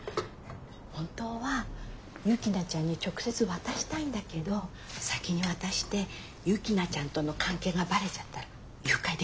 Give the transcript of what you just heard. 本当は雪菜ちゃんに直接渡したいんだけど先に渡して雪菜ちゃんとの関係がばれちゃったら誘拐できなくなるし。